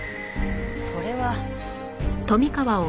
それは。